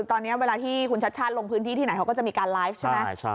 ตอนนี้เวลาที่คุณชัดชาติลงพื้นที่ที่ไหนเขาก็จะมีการไลฟ์ใช่ไหม